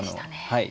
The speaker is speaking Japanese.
はい。